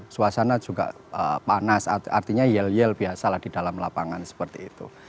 suasana juga panas artinya yel yel biasalah di dalam lapangan seperti itu